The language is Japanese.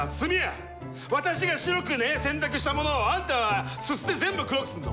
私が白く洗濯したものをあんたはススで全部黒くすんの。